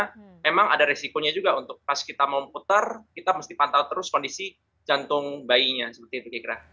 karena memang ada resikonya juga untuk pas kita mau putar kita mesti pantau terus kondisi jantung bayinya